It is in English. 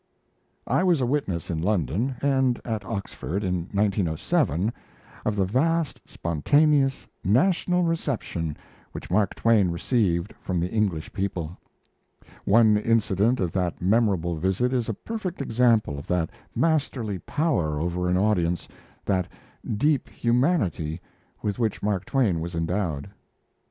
I was a witness in London, and at Oxford, in 1907, of the vast, spontaneous, national reception which Mark Twain received from the English people. One incident of that memorable visit is a perfect example of that masterly power over an audience, that deep humanity, with which Mark Twain was endowed.